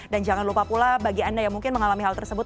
dan jangan lupa pula bagi anda yang mungkin mengalami hal tersebut